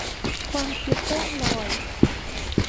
ความคิดล่องลอย